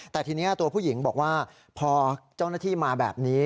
แต่ทีนี้ตัวผู้หญิงบอกว่าพอเจ้าหน้าที่มาแบบนี้